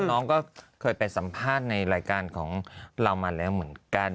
น้องก็เคยไปสัมภาษณ์ในรายการของเรามาแล้วเหมือนกัน